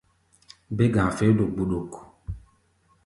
Bé-ga̧a̧ feé do gbuɗuk.